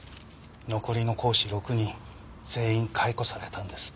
残りの講師６人全員解雇されたんです。